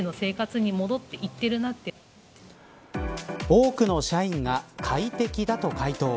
多くの社員が快適だと回答。